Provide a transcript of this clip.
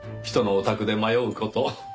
人のお宅で迷う事。